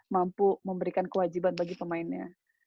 mampu memberikan kewajiban bagi pemainnya